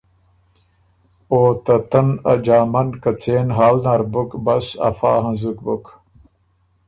او ته تن ا جامه ن که څېن حال نر بُک بس افا هنزُک بُک،